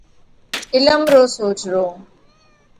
عِلم رو سوجھرو۔